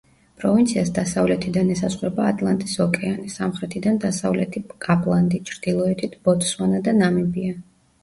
პროვინციას დასავლეთიდან ესაზღვრება ატლანტის ოკეანე, სამხრეთიდან დასავლეთი კაპლანდი, ჩრდილოეთით ბოტსვანა და ნამიბია.